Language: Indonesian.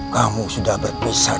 kamu sudah berpisah